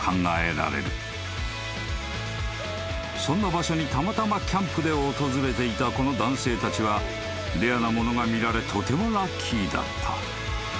［そんな場所にたまたまキャンプで訪れていたこの男性たちはレアなものが見られとてもラッキーだった］